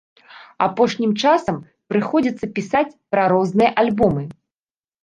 Апошнім часам прыходзіцца пісаць пра розныя альбомы.